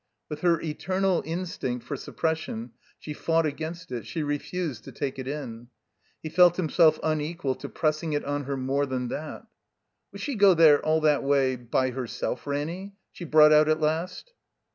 With her eternal instinct for sup pression she fought against it, she refused to take it in. He felt himself unequal to pressing it on her more than that. "Would she go there — all that way — ^by herself, Ranny?" she brought out at last.